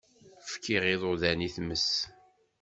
Fkiɣ iḍudan i tmes.